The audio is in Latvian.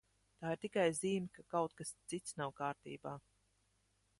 Tā ir tikai zīme, ka kaut kas cits nav kārtībā.